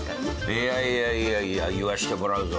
いやいやいやいや言わしてもらうぞ。